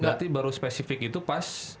berarti baru spesifik itu pas